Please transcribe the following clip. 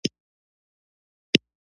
تولید د کوچنیو تولیدونکو لخوا ترسره کیده.